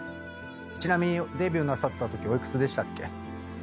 ちなみにデビューなさったときお幾つでしたっけ？